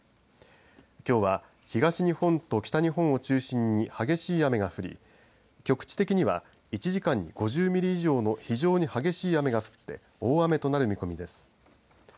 きょうは東日本と北日本を中心に激しい雨が降り局地的には１時間に５０ミリ以上の非常に激しい雨が降って大雨となる見込みです。